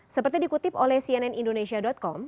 seperti dikutip oleh cnnindonesia com